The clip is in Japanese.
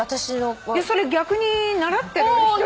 それ逆に習ってる人。